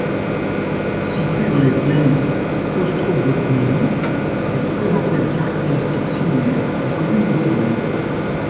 Située dans les plaines ostrobotniennes, elle présentait des caractéristiques similaires au communes voisines.